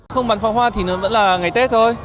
không bắn pháo hoa thì nó vẫn là ngày tết thôi